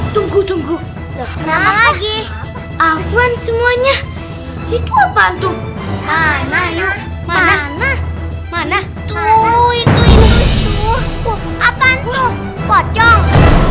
tunggu tunggu lagi awan semuanya itu bantu mana mana mana tuh itu apaan tuh pocong